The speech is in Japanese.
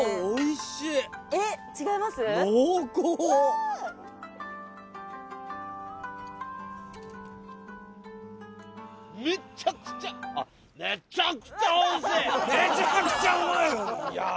おいちい！